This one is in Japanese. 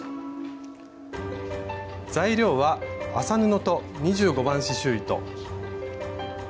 材料は麻布と２５番刺しゅう糸。